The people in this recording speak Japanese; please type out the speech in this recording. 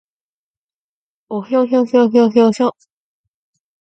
おひょひょひょひょひょひょ